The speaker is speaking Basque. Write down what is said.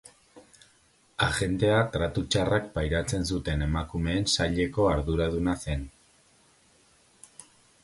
Agentea tratu txarrak pairatzen zuten emakumeen saileko arduraduna zen.